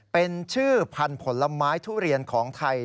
เป็นชื่อพันธุ์ผลไม้ทุเรียนของไทย